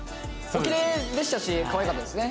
おきれいでしたしかわいかったですね。